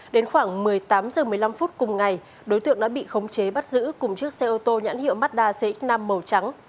đến khoảng một mươi tám h một mươi năm phút cùng ngày đối tượng đã bị khống chế bắt giữ cùng chiếc xe ô tô nhãn hiệu mazda cx năm màu trắng